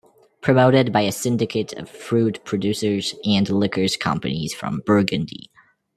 Promoted by a syndicate of fruit producers and liqueurs companies from Burgundy.